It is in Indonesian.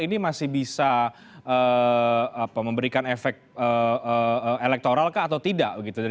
ini masih bisa memberikan efek elektoral kah atau tidak